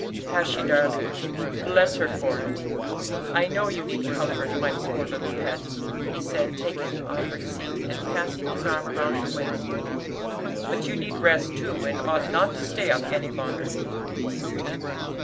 "Has she, darling? Bless her for it! I know you need comfort, my poor little pet," he said, taking the offered seat, and passing his arm round her waist. "But you need rest too, and ought not to stay up any longer."